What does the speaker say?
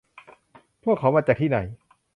พวกเขามาจากที่ไหน